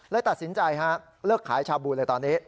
ตัดสินใจฮะเลิกขายชาบูเลยตอนนี้